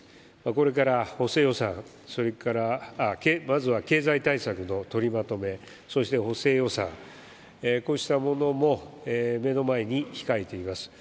これから補正予算、それから、まずは経済対策の取りまとめ、そして補正予算、こうしたものも目の前に控えています。